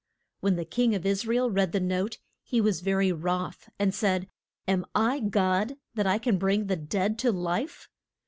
When the king of Is ra el read the note he was ve ry wroth, and said, Am I God that I can bring the dead to life?